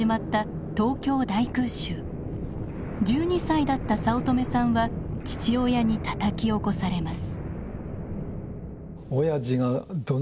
１２歳だった早乙女さんは父親にたたき起こされます。